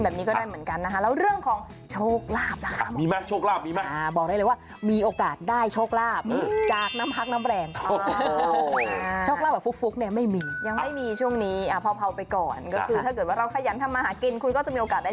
แบบนี้ก็ได้เหมือนกันนะคะ